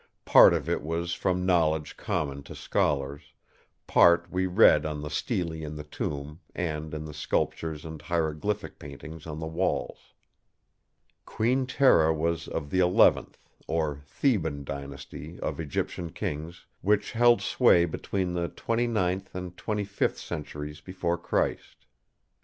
Part of it was from knowledge common to scholars; part we read on the Stele in the tomb, and in the sculptures and hieroglyphic paintings on the walls. "Queen Tera was of the Eleventh, or Theban Dynasty of Egyptian Kings which held sway between the twenty ninth and twenty fifth centuries before Christ.